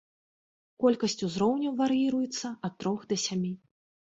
Колькасць узроўняў вар'іруецца ад трох да сямі.